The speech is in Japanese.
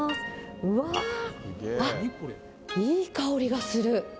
うわーっ、あっ、いい香りがする。